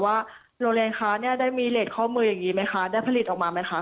ว่าโรงเรียนคะเนี่ยได้มีเลสข้อมืออย่างนี้ไหมคะได้ผลิตออกมาไหมคะ